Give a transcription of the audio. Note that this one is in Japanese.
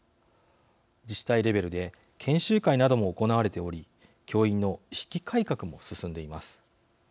自治体レベルで研修会なども行われており教員の意識改革も進んでいます。